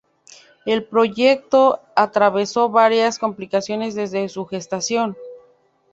El proyecto atravesó varias complicaciones desde su gestación.